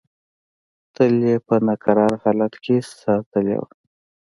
تل یې په ناکراره حالت کې ساتلې وه.